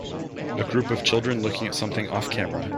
A group of children looking at something offcamera.